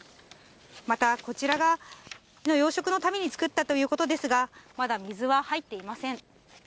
また、こちらが養殖のために作ったということですが、まだ水は入っていません。